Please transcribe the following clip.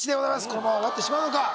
このまま終わってしまうのか？